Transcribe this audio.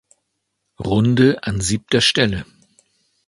Runde an siebter Stelle.